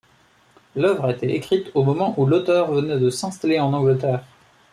L'œuvre a été écrite au moment où l'auteur venait de s'installer en Angleterre.